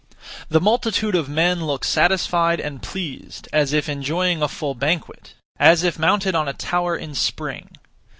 The multitude of men look satisfied and pleased; as if enjoying a full banquet, as if mounted on a tower in spring.